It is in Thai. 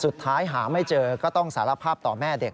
หาไม่เจอก็ต้องสารภาพต่อแม่เด็ก